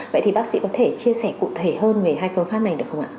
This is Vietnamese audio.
vậy thì bác sĩ có thể chia sẻ cụ thể hơn về hai phương pháp này được không ạ